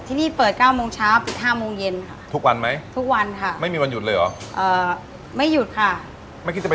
ที่นี่เปิด๙โมงเช้า๑๕โมงเย็นค่ะ